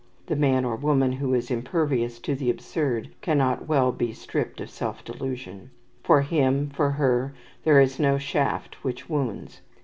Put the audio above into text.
The man or woman who is impervious to the absurd cannot well be stripped of self delusion. For him, for her, there is no shaft which wounds.